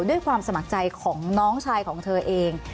ด้วยความสมัครใจของน้องชายของเธอเอง